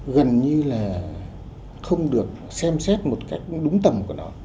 gần như là không được xem xét một cách đúng tầm của nó